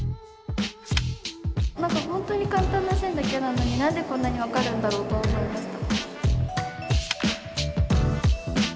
なんか本当に簡単な線だけなのになんでこんなに分かるんだろうと思いました。